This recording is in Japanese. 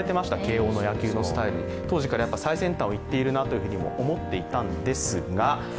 当時から最先端をいっているなと思っていたんですが。